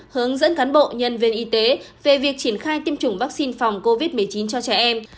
hướng dẫn cán bộ nhân viên y tế về việc triển khai tiêm chủng vaccine phòng covid một mươi chín cho trẻ em